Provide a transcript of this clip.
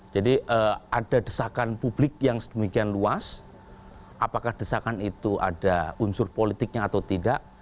jadi ada desakan publik yang sedemikian luas apakah desakan itu ada unsur politiknya atau tidak